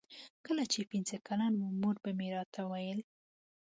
کله چې پنځه کلن وم مور به مې راته ویل.